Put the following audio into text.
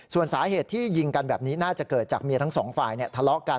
ส่วนสาเหตุที่ยิงกันแบบนี้น่าจะเกิดจากเมียทั้งสองฝ่ายทะเลาะกัน